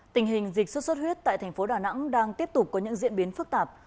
tình hình dịch sốt xuất huyết tại thành phố đà nẵng đang tiếp tục có những diễn biến phức tạp